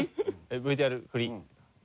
えっＶＴＲ振り？